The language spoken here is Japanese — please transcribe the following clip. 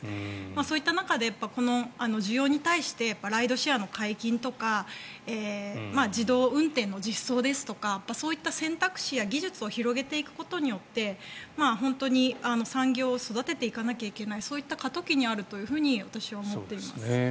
そういった中でこの需要に対してライドシェアの解禁とか自動運転の実装ですとかそういった選択肢や技術を広げていくことによって、本当に産業を育てていかなきゃいけないそういった過渡期にあると私は思っています。